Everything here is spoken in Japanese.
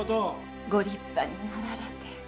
ご立派になられて。